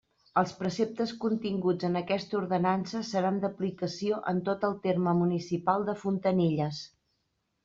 Els preceptes continguts en aquesta ordenança seran d'aplicació en tot el terme municipal de Fontanilles.